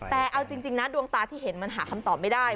แต่เอาจริงนะดวงตาที่เห็นมันหาคำตอบไม่ได้